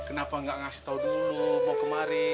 kenapa nggak ngasih tahu dulu mau kemari